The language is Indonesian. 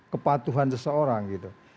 kepatuhan seseorang gitu